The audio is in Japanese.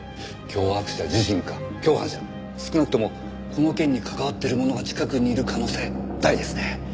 脅迫者自身か共犯者少なくともこの件に関わっている者が近くにいる可能性大ですね。